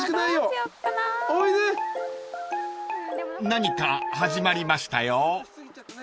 ［何か始まりましたよ］